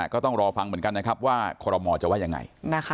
ก็ต้องรอฟังเหมือนกันนะครับว่าคอรมอลจะว่ายังไง